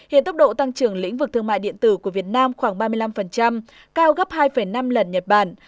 hiện tốc độ tăng trưởng lĩnh vực thương mại điện tử của việt nam khoảng ba mươi năm cao gấp hai năm lần nhật bản